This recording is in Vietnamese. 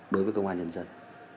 đối với công an nhân dân